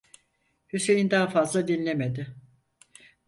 Hüseyin daha fazla dinlemedi.